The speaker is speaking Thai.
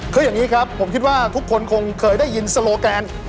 คืออย่างนี้ครับผมคิดว่าทุกคนคงเคยได้ยินสโลแกน